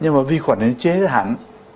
nhưng mà vi khuẩn nó chế hết hẳn